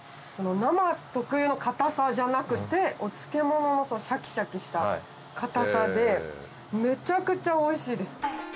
生特有の硬さじゃなくてお漬物のシャキシャキした硬さでめちゃくちゃおいしいです。